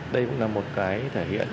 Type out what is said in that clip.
đây cũng là một cái thể hiện